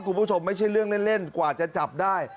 คุณผู้ชมไม่ใช่เรื่องเล่นกว่าจะจับได้